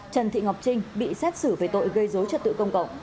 trần thị ngọc trinh bị xét xử về tội gây dối trật tự công cộng